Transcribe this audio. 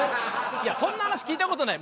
いやそんな話聞いたことない。